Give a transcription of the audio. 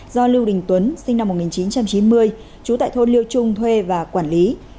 do lưu đình tuấn sinh năm một nghìn chín trăm chín mươi trú tại thôn liêu trung thuê và quản lý